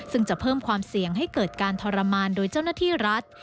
ซึ่งจะเพิ่มความเสี่ยงให้เกิดการทรมานโดยเจ้าหน้าที่รัฐ